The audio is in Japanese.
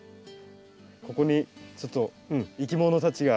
ここにちょっといきものたちが。